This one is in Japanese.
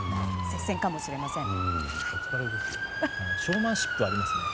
接戦かもしれません。